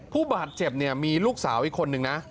ผู้บาดเจ็บเนี่ยมีลูกสาวอีกคนนึงนะ